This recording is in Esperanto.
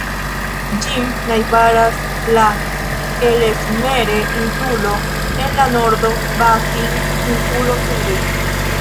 Ĝin najbaras la Ellesmere-insulo en la nordo, Baffin-insulo sude.